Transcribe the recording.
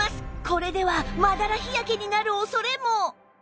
これではまだら日焼けになる恐れも